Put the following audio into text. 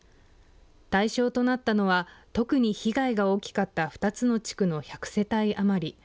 対象となったのは特に被害が大きかった２つの地区の１００世帯余り。